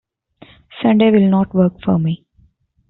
Sunday will not work for me.